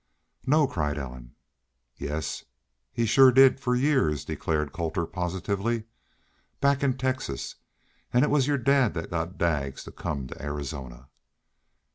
"No!" cried Ellen. "Yes, he shore did, for years," declared Colter, positively. "Back in Texas. An' it was your dad that got Daggs to come to Arizona."